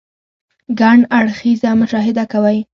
ګڼ اړخيزه مشاهده کوئ -